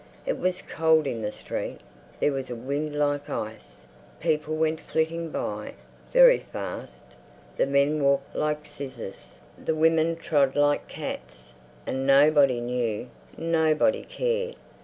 It was cold in the street. There was a wind like ice. People went flitting by, very fast; the men walked like scissors; the women trod like cats. And nobody knew—nobody cared.